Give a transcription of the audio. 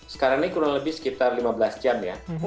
sekarang ini kurang lebih sekitar lima belas jam ya